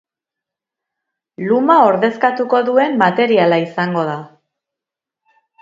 Luma ordezkatuko duen materiala izango da.